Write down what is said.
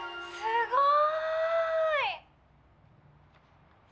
すごい！